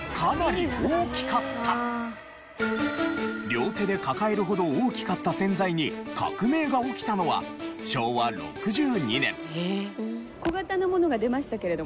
両手で抱えるほど大きかった洗剤に革命が起きたのは昭和６２年。